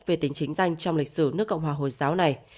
về tính chính danh trong lịch sử nước cộng hòa hồi giáo này